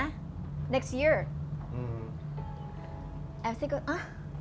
อัลซิกก็อ๊ะ